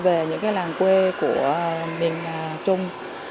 về những làng quê của miền trung